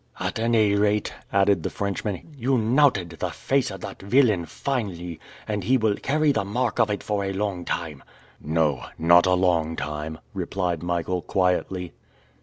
"At any rate," added the Frenchman, "you knouted the face of that villain finely, and he will carry the mark of it for a long time!" "No, not a long time!" replied Michael quietly.